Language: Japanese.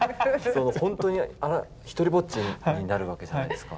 ほんとに独りぼっちになるわけじゃないですか。